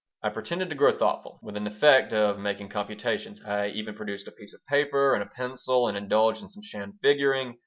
I pretended to grow thoughtful, with an effect of making computations. I even produced a piece of paper and a pencil and indulged in some sham figuring.